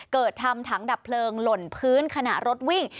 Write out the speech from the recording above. เกิดทำถังดับเพลิงหล่นพื้นขณะรถวิ่ง